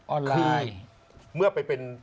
ออนไลน์